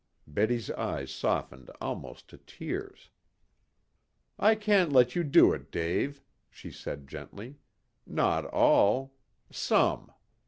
Betty's eyes softened almost to tears. "I can't let you do it, Dave," she said gently. "Not all. Some."